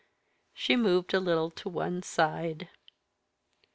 She moved a little to one side.